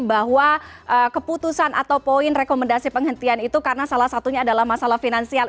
bahwa keputusan atau poin rekomendasi penghentian itu karena salah satunya adalah masalah finansial